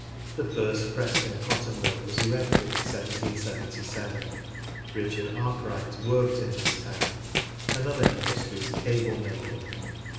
The first Preston cotton mill was erected in 1777. Richard Arkwright worked in this town. Another industry is cable making.